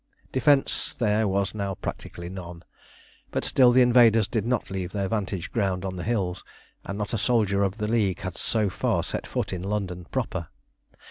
Defence there was now practically none; but still the invaders did not leave their vantage ground on the hills, and not a soldier of the League had so far set foot in London proper.